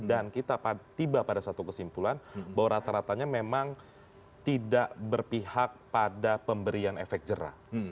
dan kita tiba pada satu kesimpulan bahwa rata ratanya memang tidak berpihak pada pemberian efek jerah